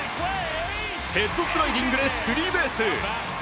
ヘッドスライディングでスリーベース！